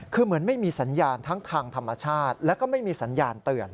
คือเหมือนไม่มีสัญญาณทั้งทางธรรมชาติแล้วก็ไม่มีสัญญาณเตือน